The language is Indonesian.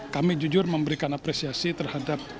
kami jujur memberikan apresiasi terhadap